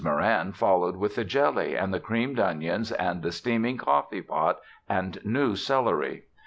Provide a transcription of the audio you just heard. Moran followed with the jelly and the creamed onions and the steaming coffee pot and new celery.